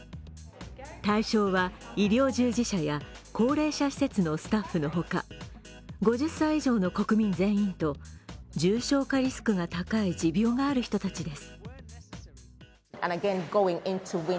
対象は医療従事者や高齢者施設のスタッフの他５０歳以上の国民全員と、重症化リスクが高い持病がある人たちです。